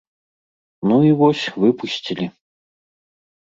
Ну і вось, выпусцілі.